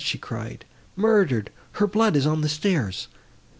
she cried,—"murdered!—her blood is on the stairs!"